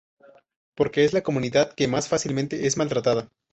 Porque es la comunidad que más fácilmente es maltratada".